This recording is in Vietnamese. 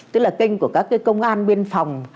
tức là kênh của các công an biên phòng